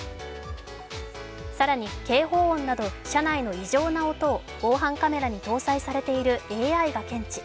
更に警報音など車内の異常な音を防犯カメラに搭載されているＡＩが検知。